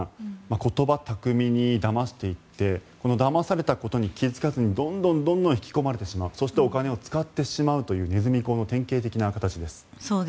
言葉巧みにだましていってだまされたことに気付かずにどんどんどんどん引き込まれてしまうそしてお金を使ってしまうというネズミ講の典型的な形です。